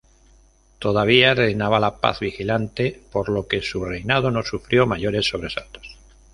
Todavía reinaba la Paz Vigilante, por lo que su reinado no sufrió mayores sobresaltos.